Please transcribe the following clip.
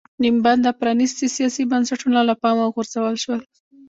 نیم بنده پرانېستي سیاسي بنسټونه له پامه وغورځول شول.